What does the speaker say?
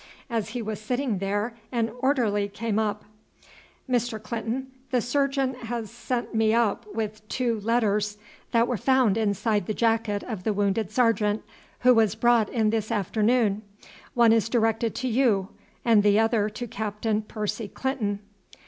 As he was sitting there an orderly came up. "Mr. Clinton, the surgeon has sent me up with two letters that were found inside the jacket of the wounded sergeant who was brought in this afternoon. One is directed to you and the other to Captain Percy Clinton."